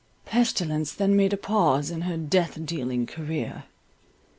Pestilence then made a pause in her death dealing career.